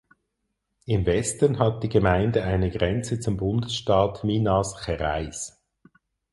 Im Westen hat die Gemeinde eine Grenze zum Bundesstaat Minas Gerais.